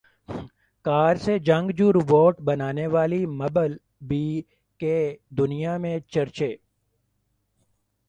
کار سے جنگجو روبوٹ بننے والی بمبل بی کے دنیا میں چرچے